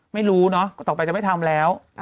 ไม่รู้เนอะต่อไปจะไม่ทำแล้ว